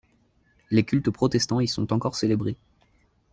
Les cultes protestants y sont encore célébrés.